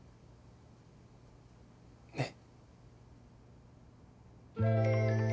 ねっ。